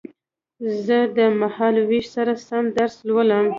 زه د مهال وېش سره سم درس لولم